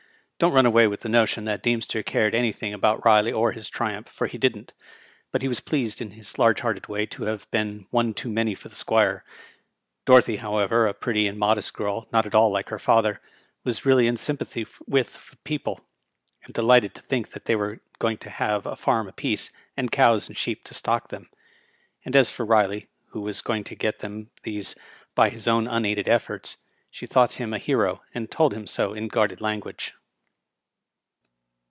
Don't run away with the notion that Deemster Digitized by VjOOQIC EILET, M,P. 168 cared anything about Riley or Lis triumph, for he didn't ; but he was pleased in his large hearted way to have been one too many for the Squire. Dorothy, however, a pretty and modest girl, not at all like her father, was really in sympathy with the people, and delighted to think they were going to have a farm apiece, and cows and sheep to stock them. And as for Riley, who was going to get them these by his own unaided efforts, she thought him a hero, and told him so in guarded lan guage.